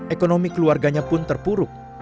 ekonomi keluarganya pun terpuruk